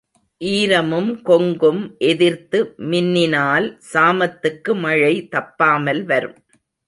ஈரமும் கொங்கும் எதிர்த்து மின்னினால் சாமத்துக்கு மழை தப்பாமல் வரும்.